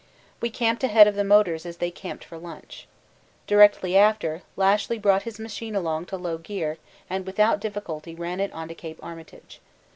We camped ahead of the motors as they camped for lunch. Directly after, Lashly brought his machine along on low gear and without difficulty ran it on to Cape Armitage.